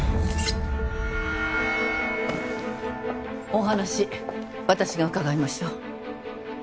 お話私が伺いましょう。